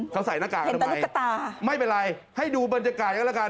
เขาใส่หน้ากากหรือไม่ไม่เป็นไรให้ดูบรรยากาศกันแล้วกัน